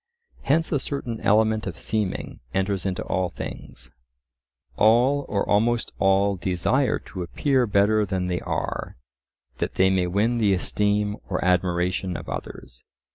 Hence a certain element of seeming enters into all things; all or almost all desire to appear better than they are, that they may win the esteem or admiration of others.